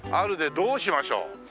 どうしましょう。